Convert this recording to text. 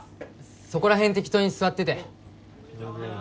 そこらへん適当に座ってて。